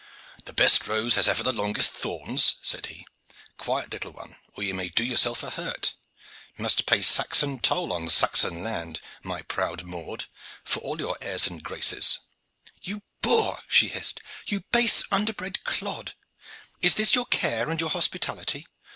"The best rose has ever the longest thorns," said he. "Quiet, little one, or you may do yourself a hurt. Must pay Saxon toll on Saxon land, my proud Maude, for all your airs and graces." "You boor!" she hissed. "You base underbred clod! Is this your care and your hospitality?